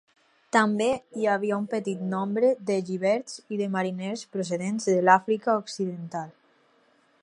També hi havia un petit nombre de lliberts i de mariners procedents de l'Àfrica Occidental.